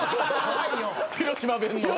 広島弁の。